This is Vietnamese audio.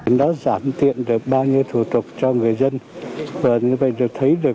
đã giảm tiện được bao nhiêu thủ tục cho người dân và như vậy được thấy được